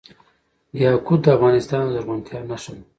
یاقوت د افغانستان د زرغونتیا نښه ده.